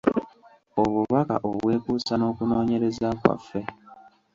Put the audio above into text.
Obubaka obwekuusa n’okunoonyereza kwaffe.